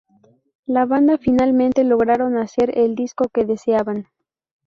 La banda finalmente lograron hacer el disco que deseaban.